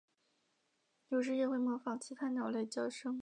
有时也会模仿其他鸟类的叫声。